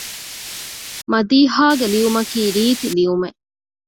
މަދީޙާގެ ލިޔުމަކީ ރީތި ލިޔުމެއް